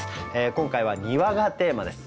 今回は「庭」がテーマです。